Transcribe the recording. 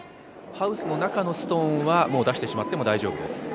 ハウスの中のストーンは出してしまっても大丈夫です。